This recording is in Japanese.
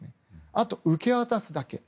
あと、受け渡すだけ。